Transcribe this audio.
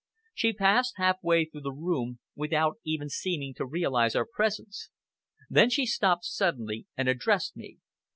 She passed half way through the room without even seeming to realize our presence. Then she stopped suddenly and addressed me.